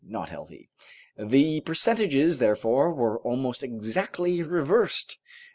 not healthy. The percentages, therefore, were almost exactly reversed.